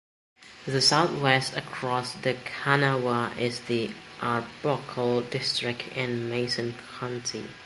To the southwest across the Kanawha is Arbuckle District in Mason County.